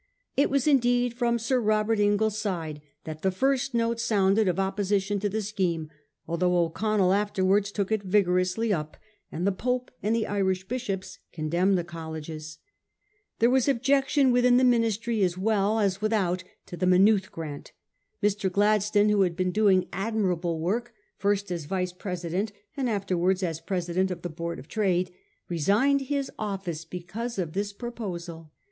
It was indeed from Sir Robert Inglis's side that the first note ' sounded of opposition to the scheme, al though O'Connell afterwards took it vigorously up, and the Pope and the Irish bishops condemned the colleges. There was objection within the Ministry, as well 310 A HISTORY OF OUR OWN TIMES. CH. XIII, as without, to the Maynooth grant. Mr. Gladstone, who had been doing admirable work, first as Yice President, and afterwards as President, of the Board of Trade, resigned his office because of tLis proposal.